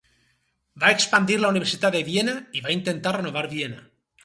Va expandir la universitat de Viena i va intentar renovar Viena.